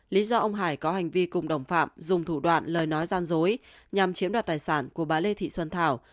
lý do ông hải có hành vi cùng đồng phạm dùng thủ đoạn lời nói gian dối nhằm chiếm đoạt tài sản của bà lê thị xuân thảo